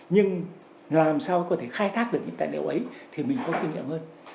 nhưng làm sao có thể khai thác được những tài liệu ấy thì mình có kinh nghiệm hơn